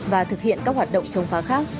và thực hiện các hoạt động chống phá khác